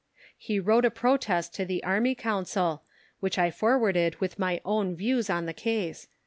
He wrote a protest to the Army Council, which I forwarded with my own views on the case.